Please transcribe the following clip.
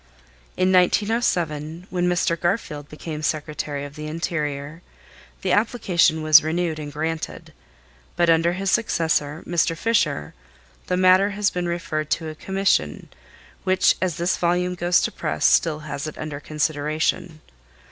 In 1907 when Mr. Garfield became Secretary of the Interior the application was renewed and granted; but under his successor, Mr. Fisher, the matter has been referred to a Commission, which as this volume goes to press still has it under consideration.